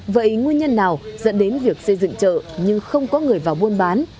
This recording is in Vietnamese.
vậy nguyên nhân nào dẫn đến việc xây dựng chợ nhưng không có người vào buôn bán